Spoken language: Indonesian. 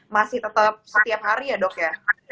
masih tetap setiap hari ya dok ya